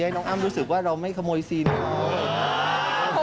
น้องอ้ำรู้สึกว่าเราไม่ขโมยซีน